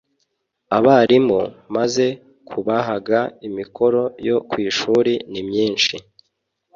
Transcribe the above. abarimu maze kubahaga imikoro yo kwishuri nimyinshi